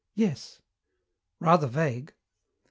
"Yes." "Rather vague."